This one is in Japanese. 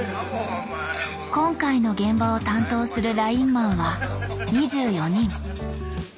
今回の現場を担当するラインマンは２４人。